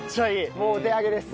もうお手上げです。